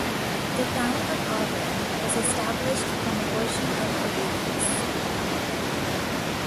The town of Auburn was established from a portion of Aurelius.